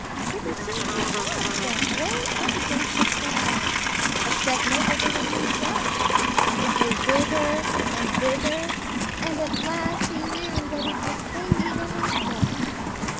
Pretty soon he saw a speck way up against a cloud, a speck no bigger than himself. It grew bigger and bigger, and at last he knew that it was King Eagle himself.